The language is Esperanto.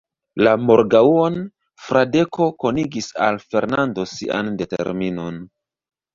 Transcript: La morgaŭon, Fradeko konigis al Fernando sian determinon.